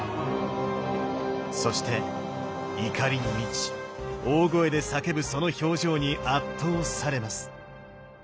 そして怒りに満ち大声で叫ぶその表情に圧倒されます。